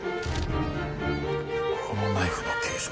このナイフの形状